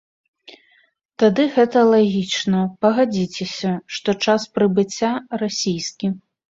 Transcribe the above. Тады гэта лагічна, пагадзіцеся, што час прыбыцця расійскі.